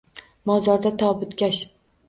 Mozorda — tobutkash